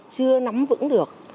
chưa nắm vững được